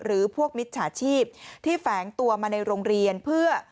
หรือพวกมิจฉาชีพที่แฝงตัวมาในโรงเรียนเพื่อ